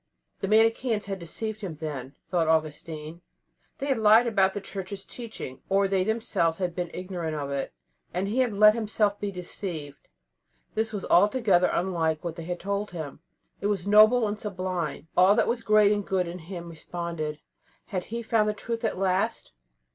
The Manicheans had deceived him, then, thought Augustine; they had lied about the Church's teaching; or they themselves had been ignorant of it, and he had let himself be deceived. This was altogether unlike what they had told him. It was noble and sublime; all that was great and good in him responded. Had he found the Truth at last?